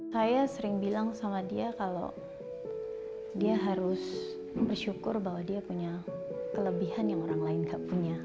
saya sering bilang sama dia kalau dia harus bersyukur bahwa dia punya kelebihan yang orang lain gak punya